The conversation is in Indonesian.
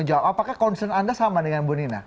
apakah concern anda sama dengan bu nina